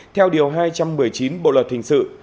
theo điều hai trăm một mươi chín bộ luật hình sự